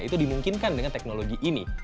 itu dimungkinkan dengan teknologi ini